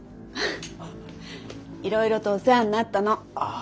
いろいろとお世話になったの。